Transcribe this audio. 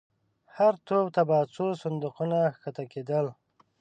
هر توپ ته به څو صندوقونه کښته کېدل.